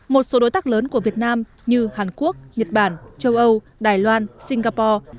một số đối tác lớn của việt nam như hàn quốc nhật bản châu âu đài loan singapore